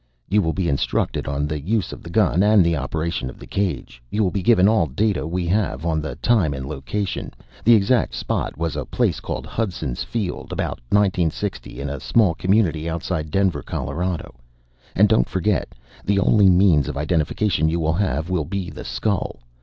"You will be instructed on the use of the gun and the operation of the cage. You will be given all data we have on the time and location. The exact spot was a place called Hudson's field. About 1960 in a small community outside Denver, Colorado. And don't forget the only means of identification you will have will be the skull.